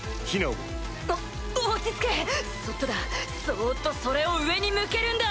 そっとそれを上に向けるんだ！